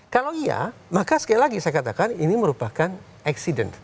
kalau iya maka sekali lagi saya katakan ini merupakan accident